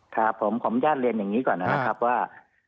ครับผมผมจะเรียนอย่างนี้ก่อนนะครับว่า